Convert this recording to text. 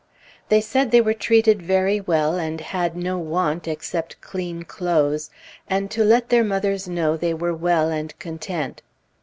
They said they were treated very well, and had no want, except clean clothes, and to let their mothers know they were well and content.